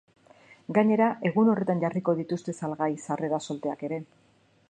Gainera, egun horretan jarriko dituzte salgai sarrera solteak ere.